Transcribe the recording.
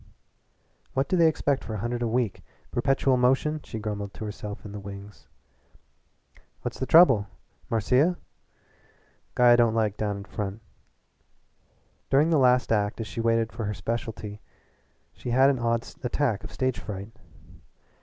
"What do they expect for a hundred a week perpetual motion?" she grumbled to herself in the wings. "What's the trouble? Marcia?" "Guy I don't like down in front." During the last act as she waited for her specialty she had an odd attack of stage fright.